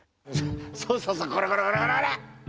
そうそうそうこれこれこれこれこれ！